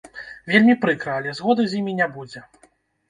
Вельмі прыкра, але згоды з імі не будзе.